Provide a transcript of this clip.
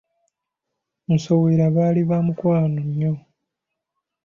Nsowera baali ba mikwaano nnyo.